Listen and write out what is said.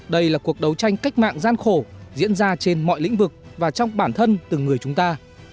đây là cuộc đấu tranh cách mạng gian khổ diễn ra trên mọi lĩnh vực và trong bản thân từng người chúng ta